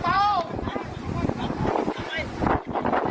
เดี๋ยวถอยลังเร็ว